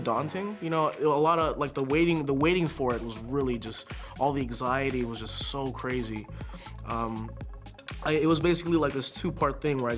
dan saya menunggu sebentar dan saya melakukan tes layar dengan tom